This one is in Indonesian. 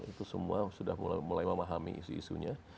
itu semua sudah mulai memahami isu isunya